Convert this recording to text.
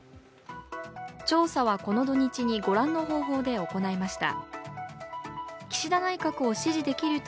調査はこの土日にご覧の方法で行いました。